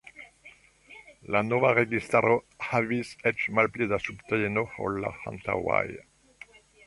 La nova registaro havis eĉ malpli da subteno ol la antaŭaj.